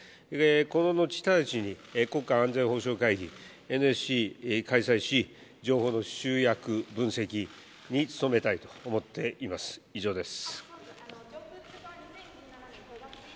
この後直ちに国家安全保障会議を開催し情報の集約、分析に努めたいと思っています。